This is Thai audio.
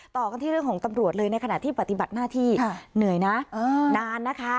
ต่อกันที่เรื่องของตำรวจเลยในขณะที่ปฏิบัติหน้าที่เหนื่อยนะนานนะคะ